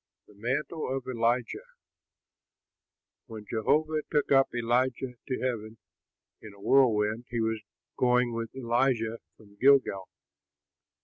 THE MANTLE OF ELIJAH When Jehovah took up Elijah to heaven in a whirlwind, he was going with Elisha from Gilgal.